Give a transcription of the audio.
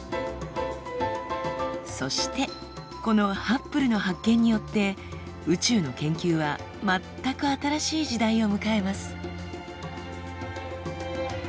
そしてこのハッブルの発見によって宇宙の研究は全く新しい時代を迎えます。